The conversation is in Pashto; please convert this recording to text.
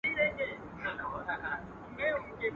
ږغ مي اوری؟ دا زما چیغي در رسیږي؟ !.